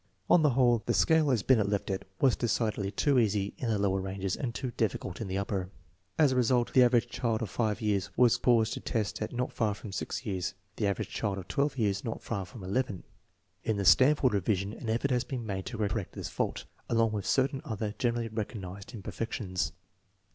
On the whole, the scale as Binet left it was decidedly too easy in the lower ranges, and too difficult in the upper. As a result, the average child of 5 years was caused to test at not far from 6 years, the average child of 1 years not far from 11. In the Stanford revision an effort has been made to correct this fault, along with certain other generally recognized imperfections.